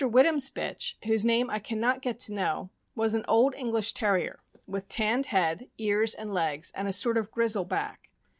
Whittam's bitch, whose name I can not get to know, was an old Eng lish Terrier, with tanned head, ears, and legs, and a sort of grizzle back.